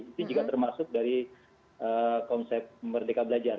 itu juga termasuk dari konsep merdeka belajar